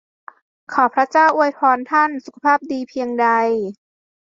ขอพระเจ้าอวยพรท่านสุขภาพดีเพียงใด !